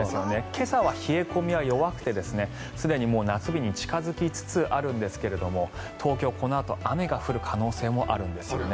今朝は冷え込みは弱くてすでに夏日に近付きつつあるんですけど東京、このあと雨が降る可能性もあるんですよね。